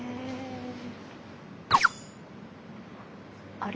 あれ？